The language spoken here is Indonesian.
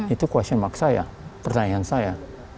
itu pertanyaan saya